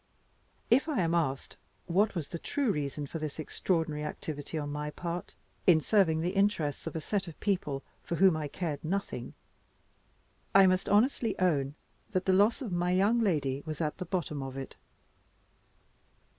If I am asked what was the true reason for this extraordinary activity on my part, in serving the interests of a set of people for whom I cared nothing, I must honestly own that the loss of my young lady was at the bottom of it.